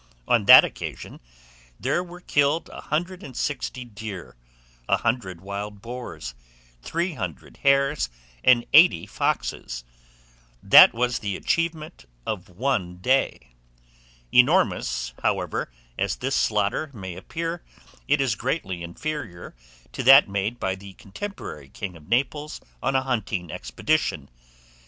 On that occasion, there were killed 160 deer, 100 wild boars, 300 hares, and 80 foxes: this was the achievement of one day. Enormous, however, as this slaughter may appear, it is greatly inferior to that made by the contemporary king of Naples on a hunting expedition.